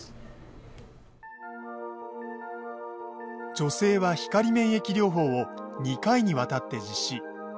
女性は光免疫療法を２回にわたって実施。